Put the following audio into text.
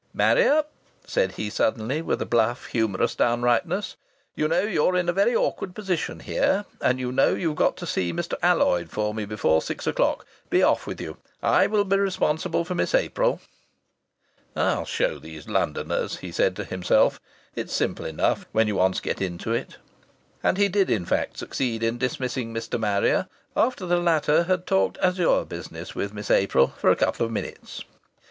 "Marrier!" said he, suddenly, with a bluff, humorous downrightness, "you know you're in a very awkward position here, and you know you've got to see Alloyd for me before six o'clock. Be off with you. I will be responsible for Miss April." ("I'll show these Londoners!" he said to himself. "It's simple enough when you once get into it.") And he did in fact succeed in dismissing Mr. Marrier, after the latter had talked Azure business with Miss April for a couple of minutes.